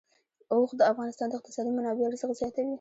اوښ د افغانستان د اقتصادي منابعو ارزښت زیاتوي.